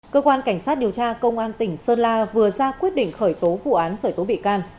cơ quan cảnh sát điều tra công an tỉnh sơn la vừa ra quyết định khởi tố vụ án khởi tố bị can